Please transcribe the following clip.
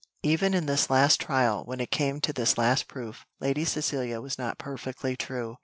even in this last trial, when it came to this last proof, Lady Cecilia was not perfectly true.